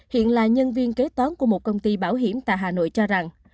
hiện là nhân viên kế toán của một công ty bảo hiểm tại hà nội cho rằng